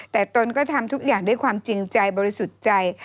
แต่ตนก็ทำทุกอย่างด้วยความจริงใจบริสุทธิ์ใจ